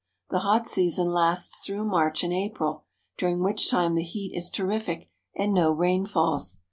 The hot season lasts through March and April, during which time the heat is terrific and no rain falls.